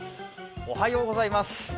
おはようございます。